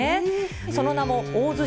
その名も、大洲城